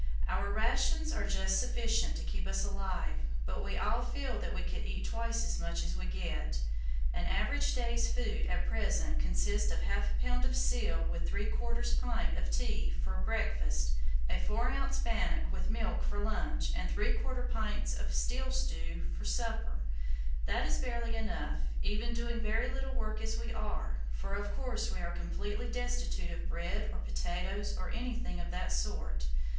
"Our rations are just sufficient to keep us alive, but we all feel that we could eat twice as much as we get. An average day's food at present consists of ½ lb. of seal with ¾ pint of tea for breakfast, a 4 oz. bannock with milk for lunch, and ¾ pint of seal stew for supper. That is barely enough, even doing very little work as we are, for of course we are completely destitute of bread or potatoes or anything of that sort.